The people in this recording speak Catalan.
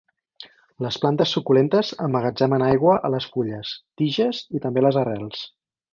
Les plantes suculentes emmagatzemen aigua a les fulles, tiges, i també a les arrels.